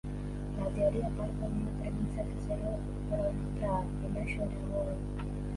La teoría parte de una premisa que se da por demostrada: Pelayo era godo.